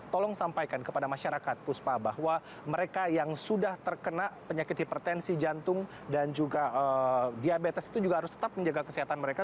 tolong sampaikan kepada masyarakat puspa bahwa mereka yang sudah terkena penyakit hipertensi jantung dan juga diabetes itu juga harus tetap menjaga kesehatan mereka